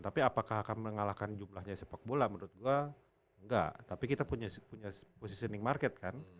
tapi apakah akan mengalahkan jumlahnya sepak bola menurut gue enggak tapi kita punya positioning market kan